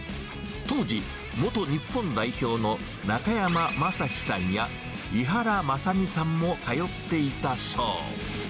当時、元日本代表の中山雅史さんや、井原正巳さんも通っていたそう。